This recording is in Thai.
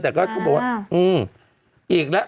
แต่ก็เปล่าว่าอีกละ